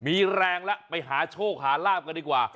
มีแรงแล้วไปหาโชคหาลาบกันดีกว่า